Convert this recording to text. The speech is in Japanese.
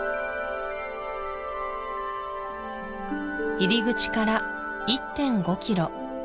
入り口から１．５ｋｍ